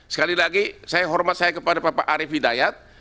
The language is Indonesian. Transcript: sekali lagi saya hormat saya kepada bapak arief hidayat